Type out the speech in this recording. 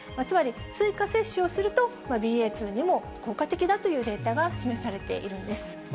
つまり、追加接種をすると、ＢＡ．２にも効果的だというデータが示されているんです。